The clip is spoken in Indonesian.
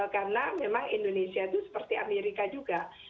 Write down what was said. karena memang indonesia itu seperti amerika juga